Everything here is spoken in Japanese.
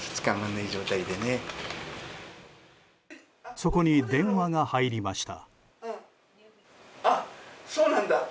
そこに電話が入りました。